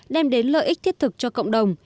đem đến lợi ích thiết thực cho cộng đồng